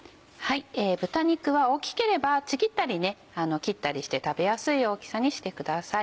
豚肉は大きければちぎったり切ったりして食べやすい大きさにしてください。